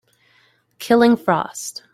Killing frost